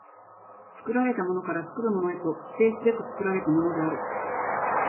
作られたものから作るものへと否定すべく作られたものである。